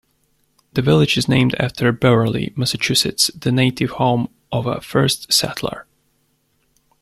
The village is named after Beverly, Massachusetts, the native home of a first settler.